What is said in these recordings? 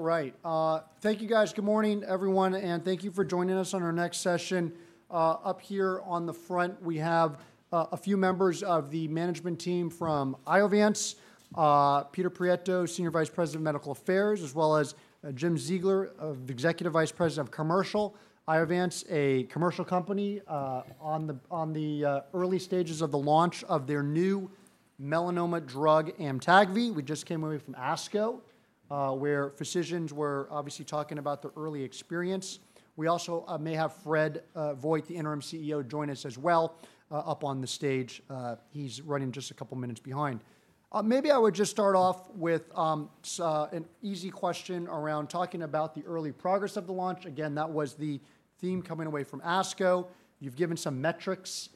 All right, thank you guys. Good morning, everyone, and thank you for joining us on our next session. Up here on the front, we have a few members of the management team from Iovance. Peter Peteros, Senior Vice President of Medical Affairs, as well as Jim Ziegler, Executive Vice President of Commercial. Iovance, a commercial company, on the early stages of the launch of their new melanoma drug, Amtagvi. We just came away from ASCO, where physicians were obviously talking about the early experience. We also may have Fred Vogt, the interim CEO, join us as well up on the stage. He's running just a couple minutes behind. Maybe I would just start off with an easy question around talking about the early progress of the launch. Again, that was the theme coming away from ASCO. You've given some metrics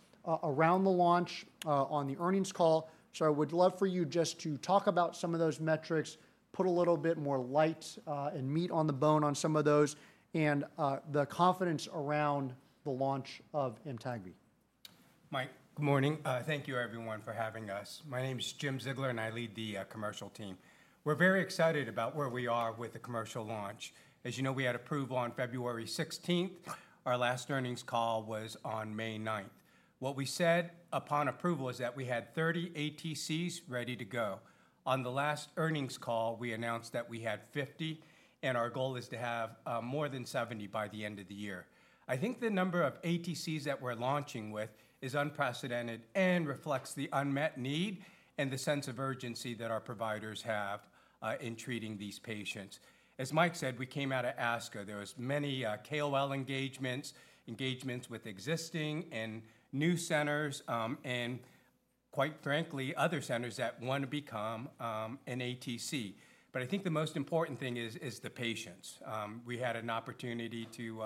around the launch on the earnings call. So I would love for you just to talk about some of those metrics, put a little bit more light and meat on the bone on some of those, and the confidence around the launch of Amtagvi. Mike, good morning. Thank you everyone for having us. My name is Jim Ziegler, and I lead the commercial team. We're very excited about where we are with the commercial launch. As you know, we had approval on February 16th. Our last Earnings Call was on May 9th. What we said upon approval is that we had 30 ATCs ready to go. On the last Earnings Call, we announced that we had 50, and our goal is to have more than 70 by the end of the year. I think the number of ATCs that we're launching with is unprecedented and reflects the unmet need and the sense of urgency that our providers have in treating these patients. As Mike said, we came out of ASCO. There was many KOL engagements with existing and new centers, and quite frankly, other centers that want to become an ATC. But I think the most important thing is the patients. We had an opportunity to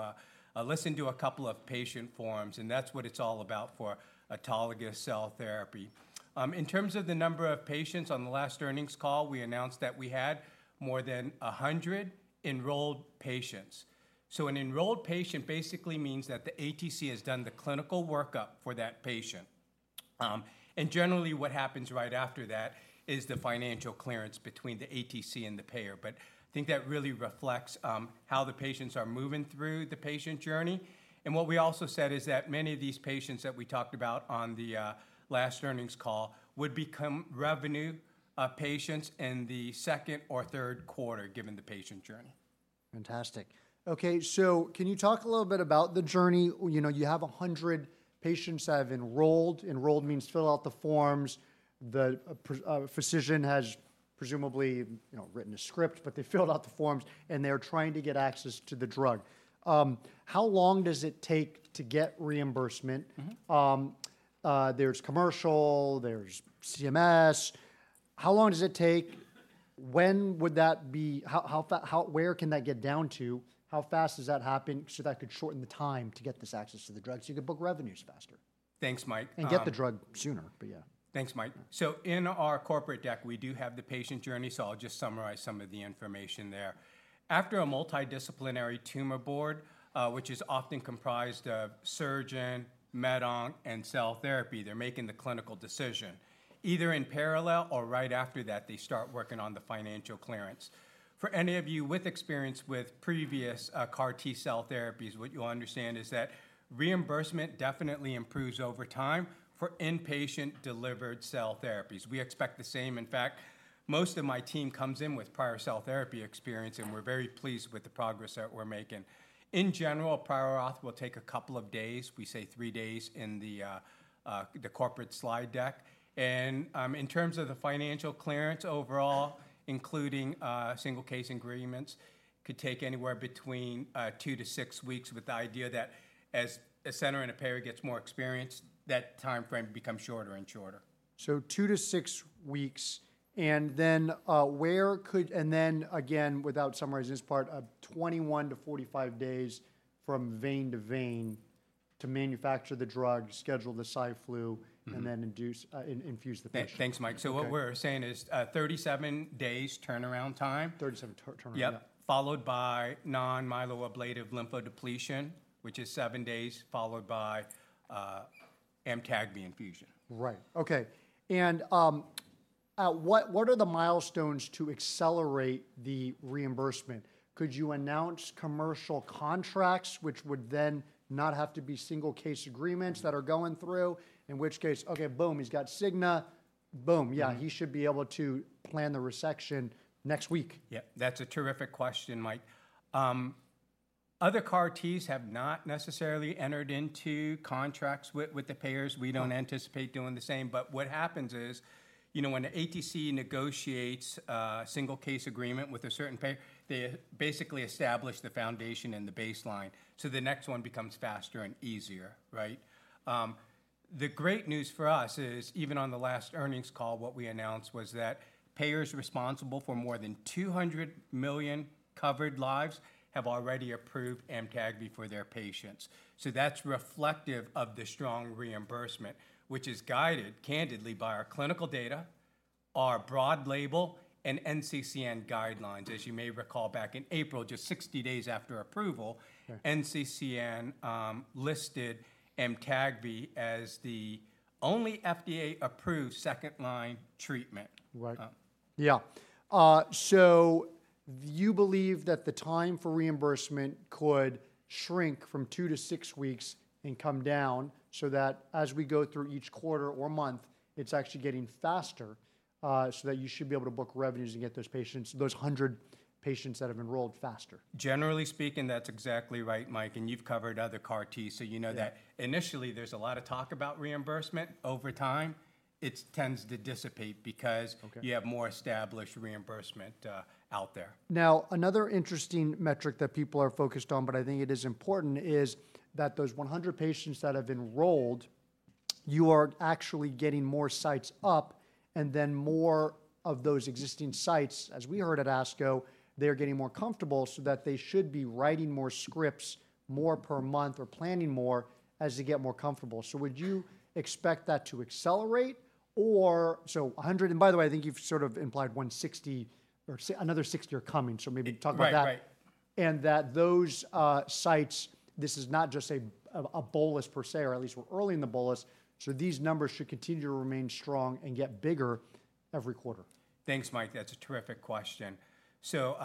listen to a couple of patient forums, and that's what it's all about for autologous cell therapy. In terms of the number of patients, on the last Earnings Call, we announced that we had more than 100 enrolled patients. So an enrolled patient basically means that the ATC has done the clinical workup for that patient. Generally, what happens right after that is the financial clearance between the ATC and the payer. But I think that really reflects how the patients are moving through the patient journey. What we also said is that many of these patients that we talked about on the last Earnings Call would become revenue patients in the second or third quarter, given the patient journey. Fantastic. Okay, so can you talk a little bit about the journey? You know, you have 100 patients that have enrolled. Enrolled means fill out the forms. The physician has presumably, you know, written a script, but they filled out the forms, and they're trying to get access to the drug. How long does it take to get reimbursement? There's commercial, there's CMS. How long does it take? When would that be? How far can that get down to? How fast does that happen, so that could shorten the time to get this access to the drug, so you could book revenues faster? Thanks, Mike, And get the drug sooner, but yeah. Thanks, Mike. So in our corporate deck, we do have the patient journey, so I'll just summarize some of the information there. After a multidisciplinary Tumor Board, which is often comprised of surgeon, med onc, and cell therapy, they're making the clinical decision. Either in parallel or right after that, they start working on the financial clearance. For any of you with experience with previous CAR T-cell therapies, what you'll understand is that reimbursement definitely improves over time for inpatient-delivered cell therapies. We expect the same. In fact, most of my team comes in with prior cell therapy experience, and we're very pleased with the progress that we're making. In general, prior auth will take a couple of days. We say three days in the corporate slide deck. In terms of the financial clearance overall, including single case agreements, could take anywhere between 2-6 weeks, with the idea that as a center and a payer gets more experienced, that timeframe becomes shorter and shorter. So 2-6 weeks, and then, without summarizing this part, 21-45 days from vein-to-vein to manufacture the drug, schedule the Cy/Flu, and then induce, infuse the patient. Yeah. Thanks, Mike. Okay. What we're saying is, 37 days turnaround time. 37 turnaround, yeah. Yep, followed by non-myeloablative lymphodepletion, which is 7 days, followed by Amtagvi infusion. Right. Okay. And what are the milestones to accelerate the reimbursement? Could you announce commercial contracts, which would then not have to be single case agreements- that are going through? In which case, okay, boom, he's got Cigna. Boom- yeah, he should be able to plan the resection next week. Yeah, that's a terrific question, Mike. Other CAR Ts have not necessarily entered into contracts with the payers. We don't anticipate doing the same. But what happens is, you know, when the ATC negotiates a single case agreement with a certain payer, they basically establish the foundation and the baseline, so the next one becomes faster and easier, right? The great news for us is, even on the last earnings call, what we announced was that payers responsible for more than 200 million covered lives have already approved Amtagvi for their patients. So that's reflective of the strong reimbursement, which is guided candidly by our clinical data, our broad label, and NCCN guidelines. As you may recall, back in April, just 60 days after approval- Sure NCCN, listed Amtagvi as the only FDA-approved second-line treatment. Right. Yeah. Do you believe that the time for reimbursement could shrink from 2 to 6 weeks and come down, so that as we go through each quarter or month, it's actually getting faster, so that you should be able to book revenues and get those patients, those 100 patients that have enrolled faster? Generally speaking, that's exactly right, Mike, and you've covered other CAR T, so you know that- Initially there's a lot of talk about reimbursement. Over time, it tends to dissipate because- Okay You have more established reimbursement out there. Now, another interesting metric that people are focused on, but I think it is important, is that those 100 patients that have enrolled, you are actually getting more sites up, and then more of those existing sites, as we heard at ASCO, they're getting more comfortable so that they should be writing more scripts more per month or planning more as they get more comfortable. So would you expect that to accelerate or- So 100. And by the way, I think you've sort of implied 160 or another 60 are coming, so maybe talk about that. Right, right. That those sites, this is not just a bolus per se, or at least we're early in the bolus, so these numbers should continue to remain strong and get bigger every quarter. Thanks, Mike. That's a terrific question. So,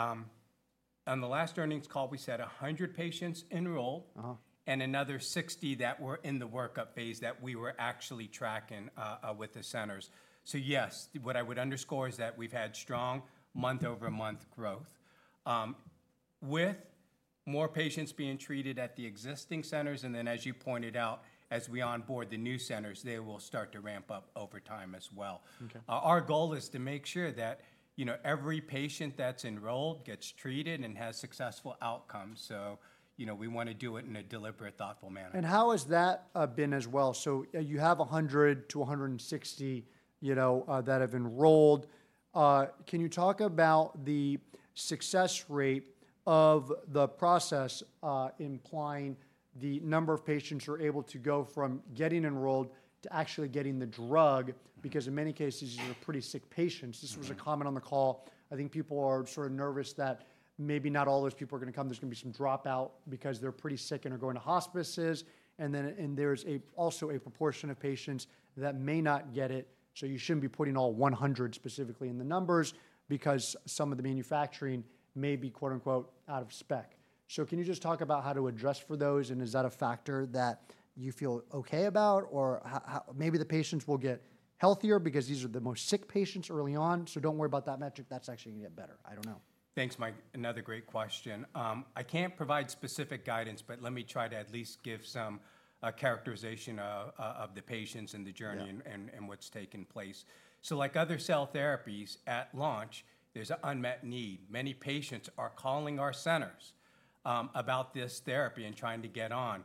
on the last earnings call, we said 100 patients enrolled-and another 60 that were in the workup phase that we were actually tracking, with the centers. So yes, what I would underscore is that we've had strong month-over-month growth, with more patients being treated at the existing centers, and then as you pointed out, as we onboard the new centers, they will start to ramp up over time as well. Okay. Our goal is to make sure that, you know, every patient that's enrolled gets treated and has successful outcomes. So, you know, we wanna do it in a deliberate, thoughtful manner. How has that been as well? You have 100-160, you know, that have enrolled. Can you talk about the success rate of the process, implying the number of patients who are able to go from getting enrolled to actually getting the drug? Because in many cases, these are pretty sick patients. This was a comment on the call. I think people are sort of nervous that maybe not all those people are gonna come. There's gonna be some dropout because they're pretty sick and are going to hospices, and then there's also a proportion of patients that may not get it, so you shouldn't be putting all 100 specifically in the numbers, because some of the manufacturing may be, quote, unquote, "out of spec." So can you just talk about how to adjust for those, and is that a factor that you feel okay about? Or maybe the patients will get healthier because these are the most sick patients early on, so don't worry about that metric. That's actually gonna get better. I don't know Thanks, Mike. Another great question. I can't provide specific guidance, but let me try to at least give some characterization of the patients and the journey- and what's taken place. So like other cell therapies, at launch, there's an unmet need. Many patients are calling our centers about this therapy and trying to get on.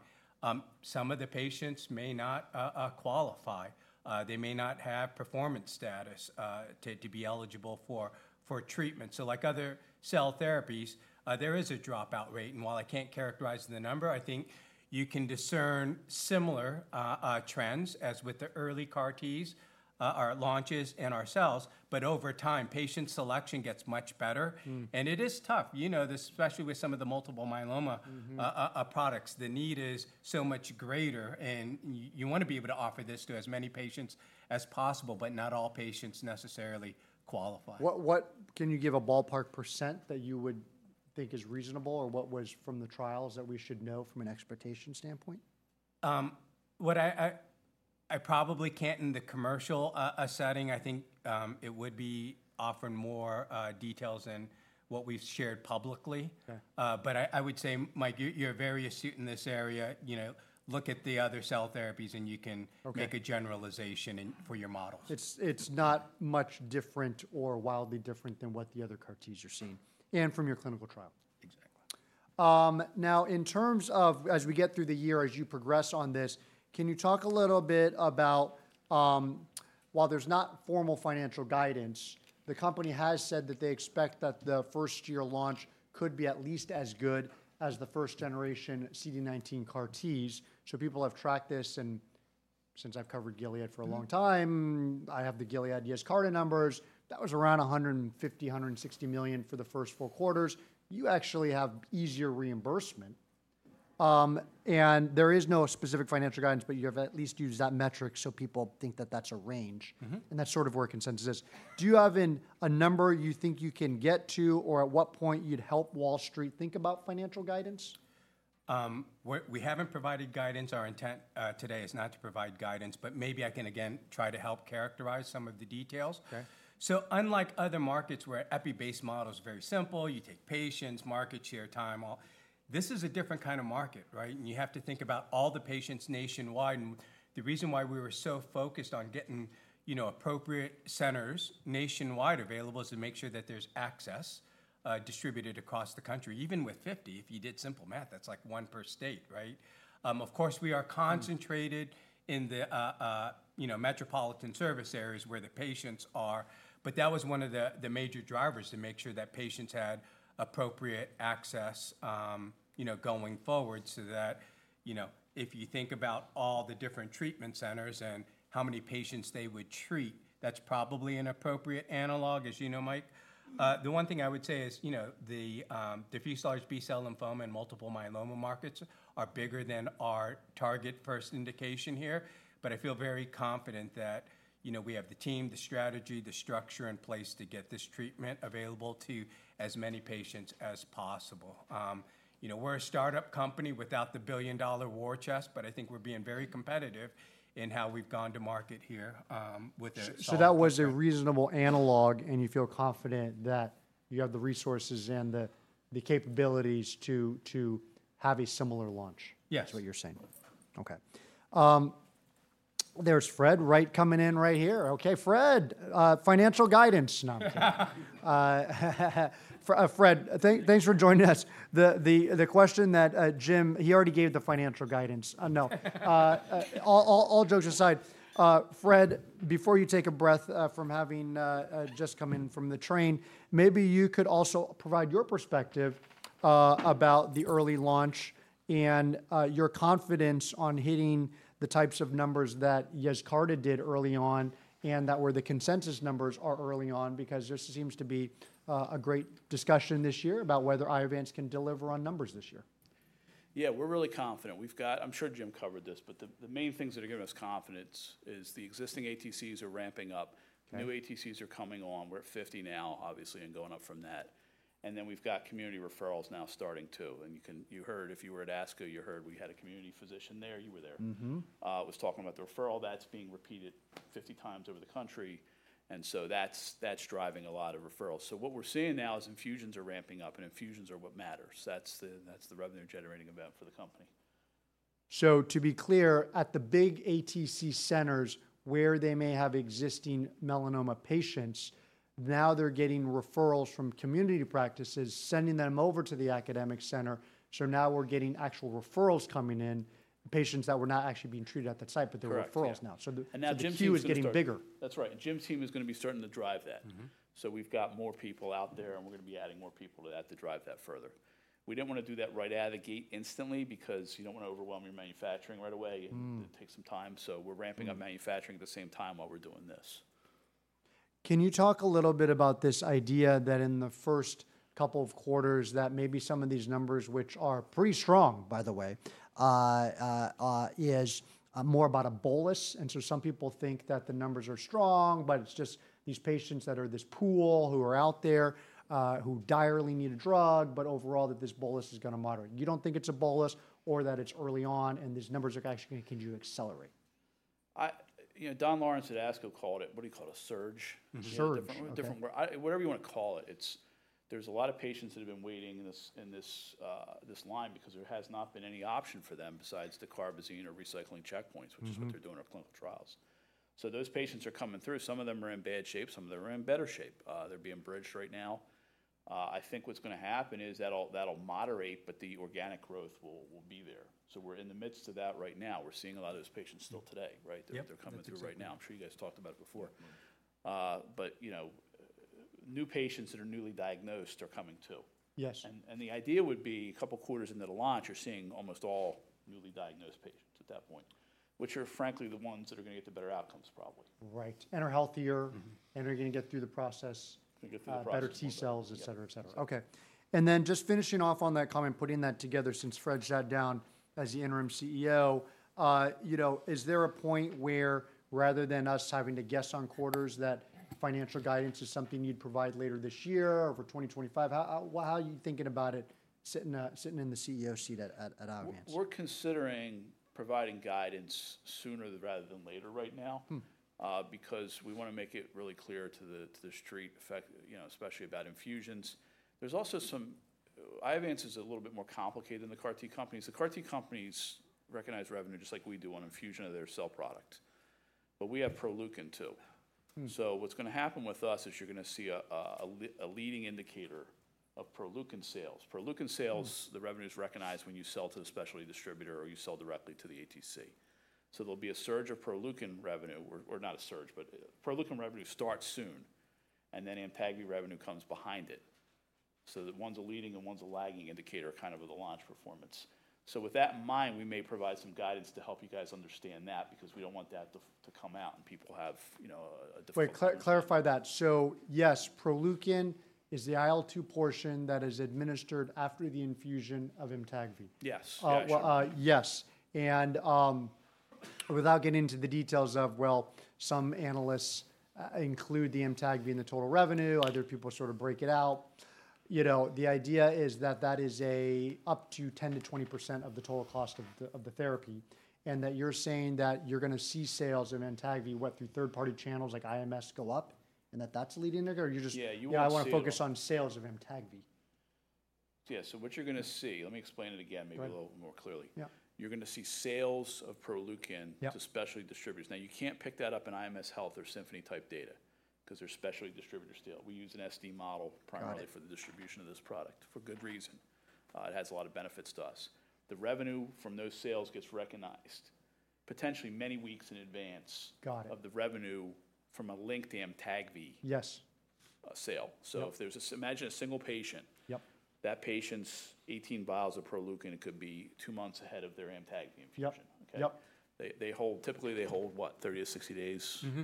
Some of the patients may not qualify, they may not have performance status to be eligible for treatment. So like other cell therapies, there is a dropout rate, and while I can't characterize the number, I think you can discern similar trends as with the early CAR Ts, our launches and our cells, but over time, patient selection gets much better. It is tough, you know this, especially with some of the multiple myeloma- products. The need is so much greater, and you wanna be able to offer this to as many patients as possible, but not all patients necessarily qualify. Can you give a ballpark percent that you would think is reasonable, or what was from the trials that we should know from an expectation standpoint? What I probably can't in the commercial setting. I think it would be offering more details than what we've shared publicly. Okay. But I would say, Mike, you're very astute in this area. You know, look at the other cell therapies, and you can- Okay make a generalization in, for your models. It's not much different or wildly different than what the other CAR Ts are seeing and from your clinical trials? Exactly. Now, in terms of as we get through the year, as you progress on this, can you talk a little bit about. While there's no formal financial guidance, the company has said that they expect that the first-year launch could be at least as good as the first generation CD19 CAR Ts. So people have tracked this, and since I've covered Gilead for a long time- I have the Gilead Yescarta numbers. That was around $150 million-$160 million for the first four quarters. You actually have easier reimbursement, and there is no specific financial guidance, but you have at least used that metric, so people think that that's a range. That's sort of where consensus is. Do you have a number you think you can get to, or at what point you'd help Wall Street think about financial guidance? We're—we haven't provided guidance. Our intent, today is not to provide guidance, but maybe I can again try to help characterize some of the details. Okay. So unlike other markets, where an epi-based model is very simple, you take patients, market share, time, all, this is a different kind of market, right? And you have to think about all the patients nationwide, and the reason why we were so focused on getting, you know, appropriate centers nationwide available is to make sure that there's access, distributed across the country. Even with 50, if you did simple math, that's like one per state, right? Of course, we are concentrated- in the, you know, metropolitan service areas where the patients are, but that was one of the major drivers, to make sure that patients had appropriate access, you know, going forward. So that, you know, if you think about all the different treatment centers and how many patients they would treat, that's probably an appropriate analog, as you know, Mike. The one thing I would say is, you know, the diffuse large B-cell lymphoma and multiple myeloma markets are bigger than our target first indication here. But I feel very confident that, you know, we have the team, the strategy, the structure in place to get this treatment available to as many patients as possible. You know, we're a startup company without the billion-dollar war chest, but I think we're being very competitive in how we've gone to market here, with the solid- So that was a reasonable analog, and you feel confident that you have the resources and the capabilities to have a similar launch- Yes is what you're saying? Okay. There's Fred right, coming in right here. Okay, Fred, financial guidance. No, I'm kidding. Fred, thanks for joining us. The question that Jim, he already gave the financial guidance. No. All jokes aside, Fred, before you take a breath from having just come in from the train, maybe you could also provide your perspective about the early launch and your confidence on hitting the types of numbers that Yescarta did early on, and that were the consensus numbers are early on. Because there seems to be a great discussion this year about whether Iovance can deliver on numbers this year. Yeah, we're really confident. We've got. I'm sure Jim covered this, but the main things that are giving us confidence is the existing ATCs are ramping up. Okay. New ATCs are coming on. We're at 50 now, obviously, and going up from that. And then we've got community referrals now starting too, and you heard—if you were at ASCO, you heard we had a community physician there. You were there. Was talking about the referral that's being repeated 50 times over the country, and so that's, that's driving a lot of referrals. So what we're seeing now is infusions are ramping up, and infusions are what matters. That's the, that's the revenue-generating event for the company. So to be clear, at the big ATC centers, where they may have existing melanoma patients, now they're getting referrals from community practices, sending them over to the academic center. So now we're getting actual referrals coming in, patients that were not actually being treated at that site- Correct. But they were referrals now. Yeah. So the- Now Jim's team- The queue is getting bigger. That's right, and Jim's team is going to be starting to drive that. We've got more people out there, and we're going to be adding more people to that to drive that further. We didn't want to do that right out of the gate instantly, because you don't want to overwhelm your manufacturing right away. It takes some time. So we're ramping up- manufacturing at the same time while we're doing this. Can you talk a little bit about this idea that in the first couple of quarters, that maybe some of these numbers, which are pretty strong, by the way, is more about a bolus? And so some people think that the numbers are strong, but it's just these patients that are this pool, who are out there, who direly need a drug, but overall that this bolus is going to moderate. You don't think it's a bolus or that it's early on, and these numbers are actually going to continue to accelerate. I, you know, Don Lawrence at ASCO called it... What did he call it? A surge. A surge, okay. A different, different word. Whatever you want to call it, it's, there's a lot of patients that have been waiting in this line because there has not been any option for them besides Dacarbazine or recycling checkpoints. -which is what they're doing in clinical trials. So those patients are coming through. Some of them are in bad shape, some of them are in better shape. They're being bridged right now. I think what's going to happen is that'll, that'll moderate, but the organic growth will, will be there. So we're in the midst of that right now. We're seeing a lot of those patients still today, right? Yep. They're coming through right now. I'm sure you guys talked about it before. You know, new patients that are newly diagnosed are coming too. Yes. The idea would be a couple quarters into the launch, you're seeing almost all newly diagnosed patients at that point, which are frankly the ones that are going to get the better outcomes, probably. Right, and are healthier- and are going to get through the process. They get through the process. better T-cells, etc, etc. Yeah. Okay, and then just finishing off on that comment, putting that together since Fred sat down as the interim CEO. You know, is there a point where, rather than us having to guess on quarters, that financial guidance is something you'd provide later this year or for 2025? How are you thinking about it sitting in the CEO seat at Iovance? We're considering providing guidance sooner rather than later right now. Because we want to make it really clear to the Street, you know, especially about infusions. There's also some... Iovance is a little bit more complicated than the CAR T companies. The CAR T companies recognize revenue just like we do on infusion of their cell product. But we have Proleukin too. So what's going to happen with us is you're going to see a leading indicator of Proleukin sales. Proleukin sales- The revenue is recognized when you sell to the specialty distributor or you sell directly to the ATC. So there'll be a surge of Proleukin revenue, or, or not a surge, but Proleukin revenue starts soon, and then Amtagvi revenue comes behind it. So that one's a leading and one's a lagging indicator, kind of the launch performance. So with that in mind, we may provide some guidance to help you guys understand that, because we don't want that to, to come out and people have, you know, a, a difficult- Wait, clarify that. So yes, Proleukin is the IL-2 portion that is administered after the infusion of Amtagvi. Yes. Yeah, actually- Well, yes, and, without getting into the details of, well, some analysts include the Amtagvi in the total revenue, other people sort of break it out. You know, the idea is that that is a up to 10%-20% of the total cost of the, of the therapy, and that you're saying that you're going to see sales of Amtagvi, what, through third-party channels like IMS go up, and that that's a leading indicator? Or you're just- Yeah, you want to see- Yeah, I want to focus on sales of Amtagvi. Yeah, so what you're going to see... Let me explain it again- Right Maybe a little more clearly. Yeah. You're going to see sales of Proleukin- Yeah -to specialty distributors. Now, you can't pick that up in IMS Health or Symphony type data, 'cause they're specialty distributors deal. We use an SD model primarily- Got it -for the distribution of this product, for good reason. It has a lot of benefits to us. The revenue from those sales gets recognized, potentially many weeks in advance- Got it -of the revenue from a linked Amtagvi- Yes -uh, sale. Yep. So imagine a single patient. Yep. That patient's 18 vials of Proleukin could be two months ahead of their Amtagvi infusion. Yep. Yep. Okay. They typically hold, what, 30-60 days- Mm-hmm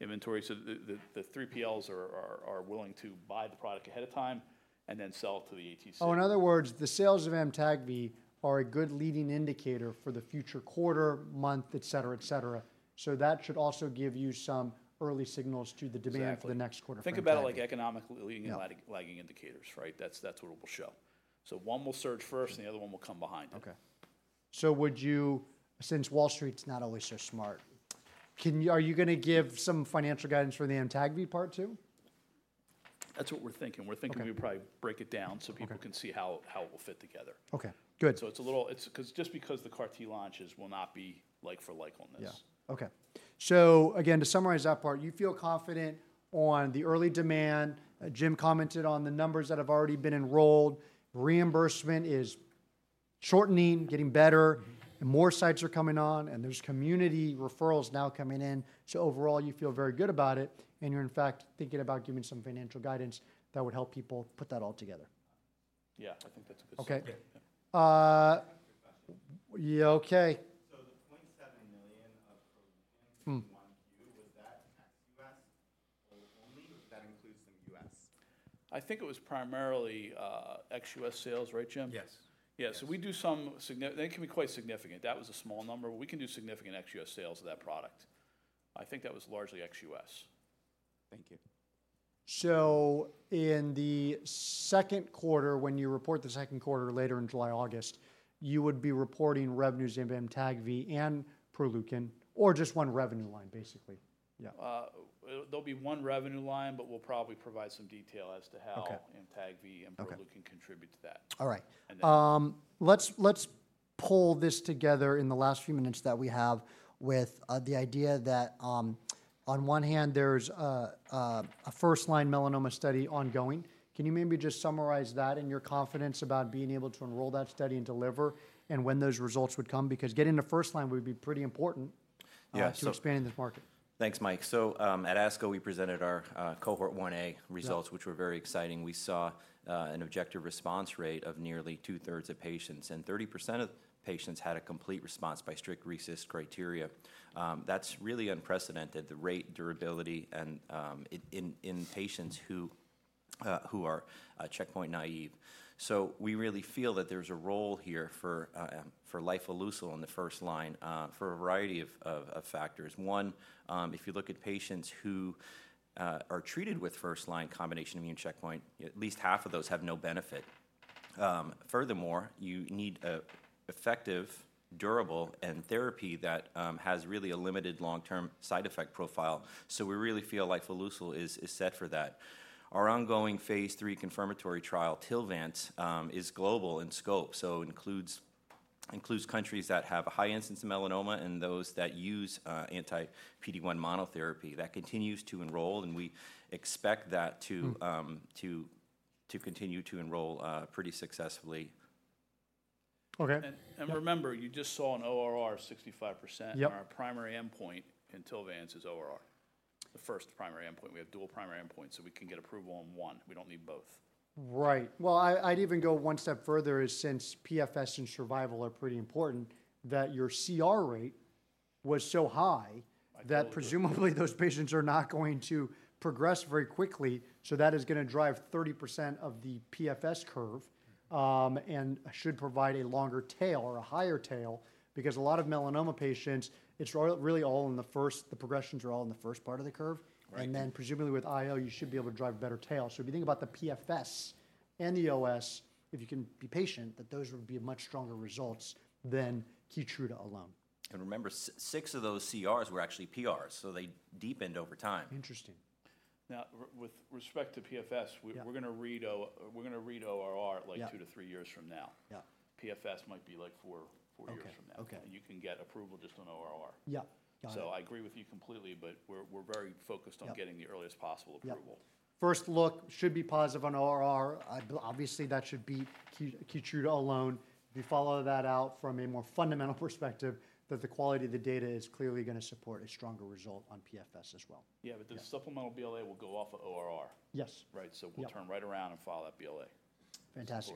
-inventory. So the 3PLs are willing to buy the product ahead of time and then sell it to the ATC. Oh, in other words, the sales of Amtagvi are a good leading indicator for the future quarter, month, et cetera, et cetera. So that should also give you some early signals to the demand- Exactly for the next quarter for Amtagvi. Think about it like economic leading and lagging- Yeah -lagging indicators, right? That's, that's what it will show. So one will surge first, and the other one will come behind it. Okay. So would you, since Wall Street's not always so smart, can you-- are you going to give some financial guidance for the Amtagvi part too? That's what we're thinking. Okay. We're thinking we'd probably break it down- Okay. - So people can see how it will fit together. Okay, good. So it's 'cause just because the CAR T launches will not be like for like on this. Yeah. Okay. So again, to summarize that part, you feel confident on the early demand. Jim commented on the numbers that have already been enrolled. Reimbursement is shortening, getting better- More sites are coming on, and there's community referrals now coming in. So overall, you feel very good about it, and you're in fact thinking about giving some financial guidance that would help people put that all together. Yeah, I think that's a good summary. Okay. Yeah. Quick question. Yeah, okay. the $0.7 million of Proleukin- In 1Q, was that ex-U.S. sales only, or does that include some U.S.? I think it was primarily, ex-US sales, right, Jim? Yes. Yeah, so we do some. They can be quite significant. That was a small number. We can do significant ex-US sales of that product. I think that was largely ex-US. Thank you. So in the second quarter, when you report the second quarter later in July, August, you would be reporting revenues in Amtagvi and Proleukin or just one revenue line, basically? Yeah. There'll be one revenue line, but we'll probably provide some detail as to how- Okay. and Amtagvi Okay. and Proleukin contribute to that. All right. And then- Let's pull this together in the last few minutes that we have with the idea that, on one hand, there's a first-line melanoma study ongoing. Can you maybe just summarize that and your confidence about being able to enroll that study and deliver and when those results would come? Because getting to first line would be pretty important- Yeah, so- to expanding this market. Thanks, Mike. So, at ASCO, we presented our cohort 1A results- Yeah - which were very exciting. We saw an objective response rate of nearly 2/3 of patients, and 30% of patients had a complete response by strict RECIST criteria. That's really unprecedented, the rate, durability, and in patients who are checkpoint naive. So we really feel that there's a role here for lifileucel in the first line for a variety of factors. One, if you look at patients who are treated with first-line combination immune checkpoint, at least half of those have no benefit. Furthermore, you need a effective, durable, end therapy that has really a limited long-term side effect profile. So we really feel lifileucel is set for that. Our ongoing phase 3 confirmatory trial, TILVANCE, is global in scope, so includes countries that have a high incidence of melanoma and those that use anti-PD-1 monotherapy. That continues to enroll, and we expect that to- to continue to enroll pretty successfully. Okay. And remember, you just saw an ORR 65%- Yep and our primary endpoint in TILVANCE's ORR, the first primary endpoint. We have dual primary endpoints, so we can get approval on one. We don't need both. Right. Well, I, I'd even go one step further is since PFS and survival are pretty important, that your CR rate was so high. I totally agree. that presumably those patients are not going to progress very quickly. So that is gonna drive 30% of the PFS curve, and should provide a longer tail or a higher tail, because a lot of melanoma patients, it's really all in the first, the progressions are all in the first part of the curve. Right. And then presumably with IO, you should be able to drive a better tail. So if you think about the PFS and the OS, if you can be patient, that those would be a much stronger results than Keytruda alone. And remember, six of those CRs were actually PRs, so they deepened over time. Interesting. Now, with respect to PFS- Yeah we're going to read ORR- Yeah like 2-3 years from now. Yeah. PFS might be like 4, 4 years from now. Okay, okay. You can get approval just on ORR. Yeah. Got it. So I agree with you completely, but we're very focused on- Yep getting the earliest possible approval. Yep. First look should be positive on ORR. Obviously, that should beat Key, Keytruda alone. We follow that out from a more fundamental perspective, that the quality of the data is clearly going to support a stronger result on PFS as well. Yeah, but the supplemental BLA will go off of ORR. Yes. Right? Yeah. We'll turn right around and file that BLA. Fantastic.